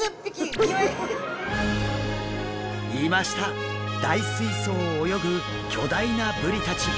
大水槽を泳ぐ巨大なブリたち。